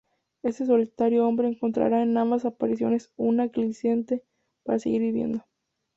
Este solitario hombre encontrará en ambas apariciones un aliciente para seguir viviendo.